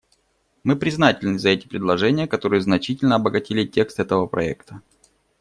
Мы признательны за эти предложения, которые значительно обогатили текст этого проекта.